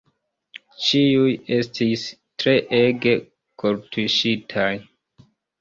Ĉiuj estis treege kortuŝitaj.